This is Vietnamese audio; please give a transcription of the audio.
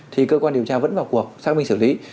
thì cơ quan điều tra vẫn vào cuộc xác minh xử lý